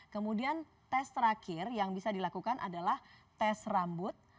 kemudian tes terakhir yang bisa dilakukan adalah tes rambut